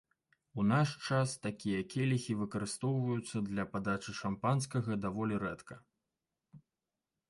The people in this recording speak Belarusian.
У наш час такія келіхі выкарыстоўваюцца для падачы шампанскага даволі рэдка.